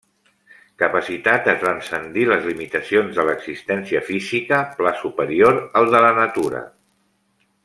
Capacitat de transcendir les limitacions de l'existència física, pla superior al de la natura.